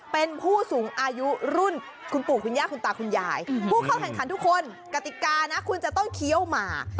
เป็นผู้สูงอายุรุ่นคุณปู่คุณย่าคุณตาคุณยายผู้เข้าแข่งขันทุกคนกติกานะคุณจะต้องเคี้ยวมา